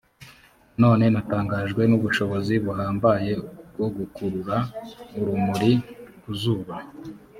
nanone natangajwe n’ ubushobozi buhambaye bwo gukurura urumuri kuzuba.